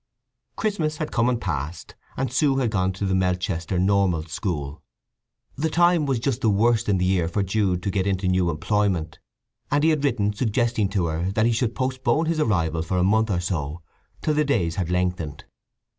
Christmas had come and passed, and Sue had gone to the Melchester Normal School. The time was just the worst in the year for Jude to get into new employment, and he had written suggesting to her that he should postpone his arrival for a month or so, till the days had lengthened.